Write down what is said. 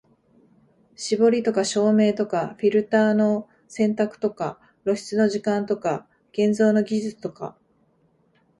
絞りとか照明とかフィルターの選択とか露出の時間とか現像の技術とか、